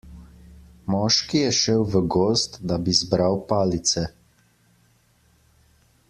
Moški je šel v gozd, da bi zbral palice.